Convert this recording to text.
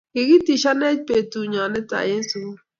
kikitishanech betuu nyoo netai eng sukul